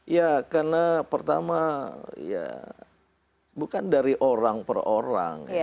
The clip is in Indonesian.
ya karena pertama ya bukan dari orang per orang